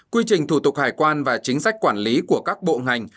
quy trình thủ tục hải quan và chính sách quản lý của các bộ ngành